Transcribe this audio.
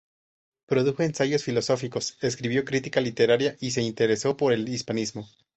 Produjo ensayos filosóficos, escribió crítica literaria y se interesó por el hispanismo.